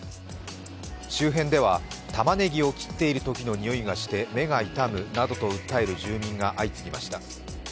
周辺ではたまねぎを切っているときの臭いがして目が痛むなどと訴える住民が相次ぎました。